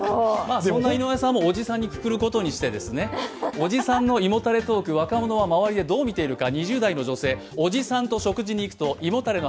そんな井上さんもおじさんにくくることにして、おじさんの胃もたれトーク、若者はどう見ているのか。